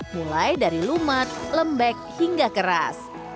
mulai dari lumat lembek hingga keras